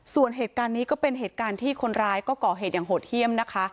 ส่วนเหตุการณ์นี้ก็เป็นเหตุการณ์ที่คนร้ายก็ก่อเหตุอย่างโหดเยี่ยมนะคะ